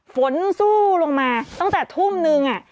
ฝนสู้ลงมาตั้งแต่ทุ่มนึง